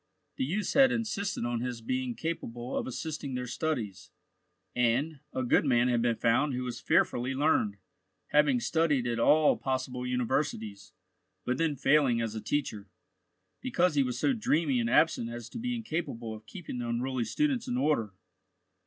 The youths had insisted on his being capable of assisting their studies, and, a good man had been found who was fearfully learned, having studied at all possible universities, but then failing as a teacher, because he was so dreamy and absent as to be incapable of keeping the unruly students in order.